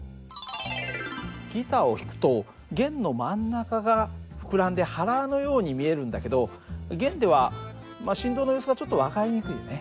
ギターを弾くと弦の真ん中が膨らんで腹のように見えるんだけど弦では振動の様子がちょっと分かりにくいよね。